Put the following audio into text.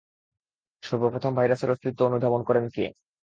সর্বপ্রথম ভাইরাসের অস্তিত্ব অনুধাবন করেন কে?